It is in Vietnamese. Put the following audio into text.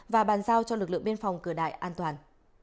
và bàn giao cho lực lượng biên phòng cửa đại an toàn